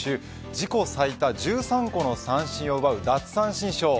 自己最多１３個の三振を奪う奪三振ショー。